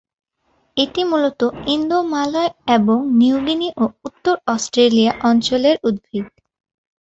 এটি মূলত ইন্দোমালয় এবং নিউ গিনি ও উত্তর অস্ট্রেলিয়া অঞ্চলের উদ্ভিদ।